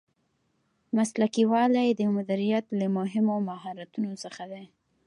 مسلکي والی د مدیریت له مهمو مهارتونو څخه دی.